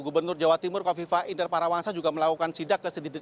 gubernur jawa timur kofifa inder parawasa juga melakukan sidak